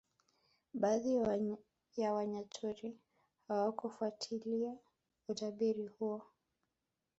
Baadhi ya Wanyaturu hawakufuatilia utabiri huo